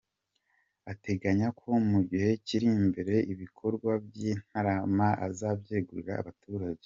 Ateganya ko mu gihe kiri imbere ibikorwa by’i Ntarama azabyegurira abaturage.